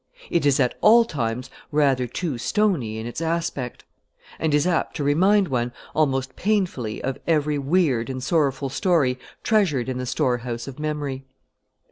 It is at all times rather too stony in its aspect; and is apt to remind one almost painfully of every weird and sorrowful story treasured in the storehouse of memory.